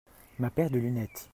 ma paire de lunettes.